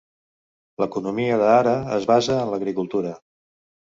L'economia de Hara es basa en l'agricultura.